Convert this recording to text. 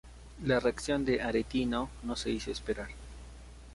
La reacción de Aretino no se hizo esperar.